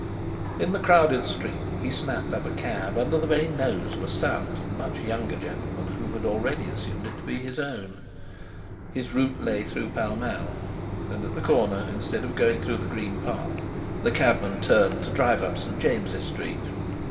In the crowded street he snapped up a cab under the very nose of a stout and much younger gentleman, who had already assumed it to be his own. His route lay through Pall Mall, and at the corner, instead of going through the Green Park, the cabman turned to drive up St. James's Street.